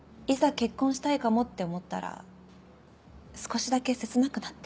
結婚したいかもって思ったら少しだけ切なくなって。